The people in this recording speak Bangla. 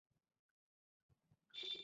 এটাই সত্য, পুনাম।